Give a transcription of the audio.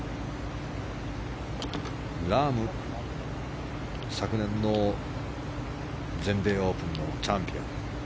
ラーム、昨年の全米オープンのチャンピオン。